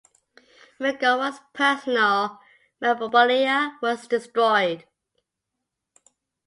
McGowan's personal memorabilia was destroyed.